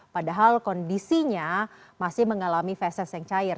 padahal kondisinya masih mengalami fesis yang cair